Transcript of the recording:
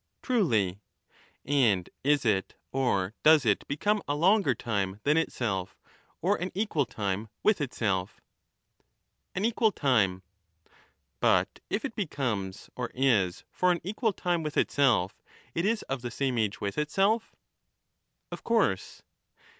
Truly. And is it or does it become a longer time than itself or an equal time with itself? An equal time. But if it becomes or is for an equal time with itself, it is of the same age with itself? Of course.